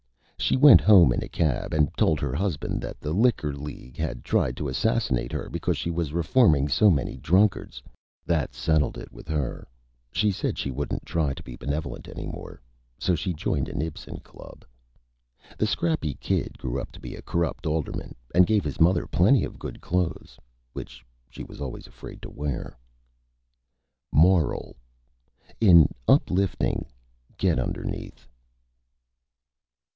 She went Home in a Cab, and told her Husband that the Liquor League had tried to Assassinate her, because she was Reforming so many Drunkards. That settled it with her she said she wouldn't try to be Benevolent any more so she joined an Ibsen Club. The Scrappy Kid grew up to be a Corrupt Alderman, and gave his Mother plenty of Good Clothes, which she was always afraid to wear. MORAL: _In uplifting, get underneath.